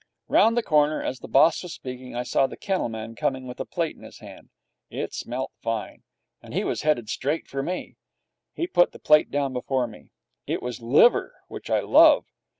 Round the corner, as the boss was speaking, I saw the kennel man coming with a plate in his hand. It smelt fine, and he was headed straight for me. He put the plate down before me. It was liver, which I love.